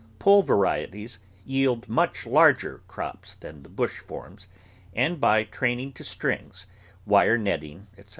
Pole varieties yield much larger crops than the bush forms, and by training to strings, wire net ting, etc.